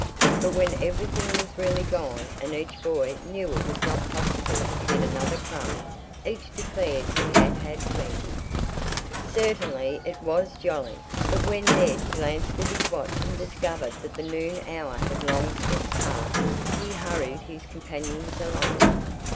But when everything was really gone, and each boy knew it was not possible to get another crumb, each declared he had had plenty. Certainly it was jolly, but when Ned glanced at his watch and discovered that the noon hour had long since passed, he hurried his companions along.